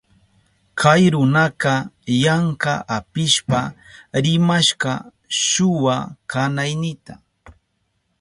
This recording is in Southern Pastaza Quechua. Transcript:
Kay runaka yanka apishpa rimashka shuwa kanaynita.